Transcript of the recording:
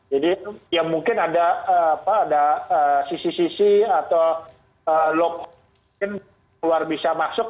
jadi mungkin ada sisi sisi atau lokasi yang luar bisa masuk